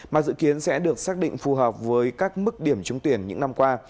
mà dự kiến sẽ được xác định phù hợp với các mức điểm trúng tuyển những năm qua